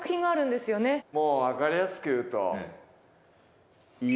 もう分かりやすく言うと。